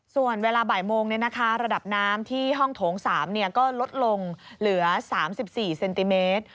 ส่วนเวลาบ่ายโมงระดับน้ำที่ห้องโถง๓ก็ลดลงเหลือ๓๔เซนติเมตร